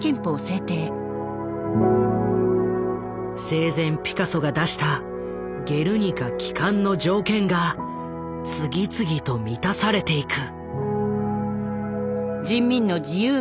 生前ピカソが出した「ゲルニカ」帰還の条件が次々と満たされていく。